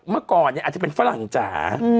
เมื่อก่อนเนี่ยอาจจะเป็นฝรั่งจ๋า